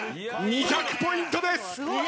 ２００ポイントか。